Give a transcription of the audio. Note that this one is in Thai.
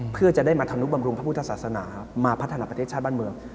เพื่อจะได้มาทำนุบำรุงพระพุทธศาสนามาพัฒนาประเทศชาติบ้านเมือง